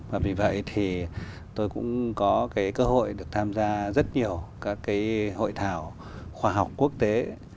và vì vậy tôi cũng có cơ hội được tham gia rất nhiều các hội thảo khoa học quốc tế